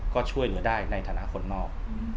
ก็ช่วยเหลือได้ในฐานะคนนอก